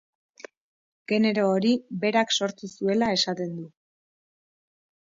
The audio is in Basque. Genero hori berak sortu zuela esaten du.